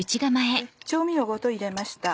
調味料ごと入れました。